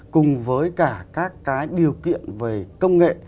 cùng với cả các cái điều kiện về công nghệ